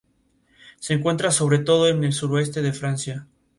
Se encuentran sobre todo en el suroeste de Francia.